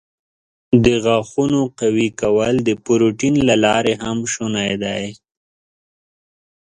د غاښونو قوي کول د پروټین له لارې هم شونی دی.